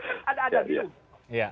sebenarnya ada ada gitu